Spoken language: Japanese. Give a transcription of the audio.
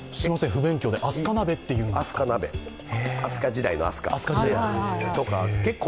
飛鳥鍋、飛鳥時代の飛鳥。